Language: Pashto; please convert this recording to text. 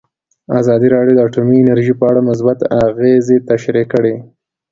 ازادي راډیو د اټومي انرژي په اړه مثبت اغېزې تشریح کړي.